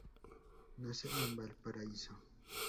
Nace en Valparaíso.